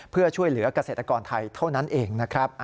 เพื่อช่วยเหลือกเกษตรกรไทยเท่านั้นเองนะครับ